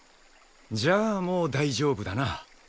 じゃあもう大丈夫だな。